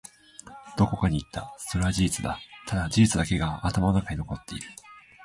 どこかに行った。それは事実だ。ただ、事実だけが頭の中に残っている。